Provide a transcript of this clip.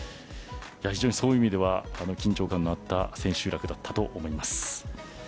非常にそういう意味では緊張感のあった千秋楽だったと思います。